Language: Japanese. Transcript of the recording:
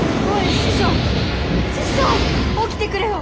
師匠起きてくれよ！